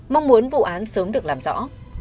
mong muốn vụ án sớm được làm rõ